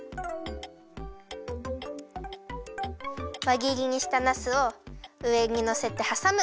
わぎりにしたなすをうえにのせてはさむ。